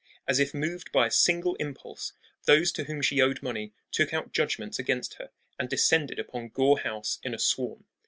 As if moved by a single impulse, those to whom she owed money took out judgments against her and descended upon Gore House in a swarm.